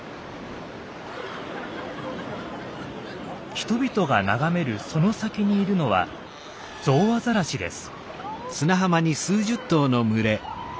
人々が眺めるその先にいるのはゾウアザラシです。